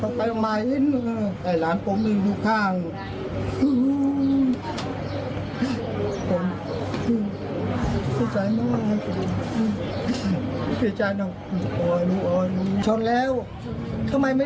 เขาไปออกมาเห็นเหรอหลานผมหนึ่งดูข้าง